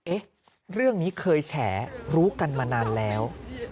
เอ๊ะเรื่องนี้เคยแฉรู้กันมานานแล้ว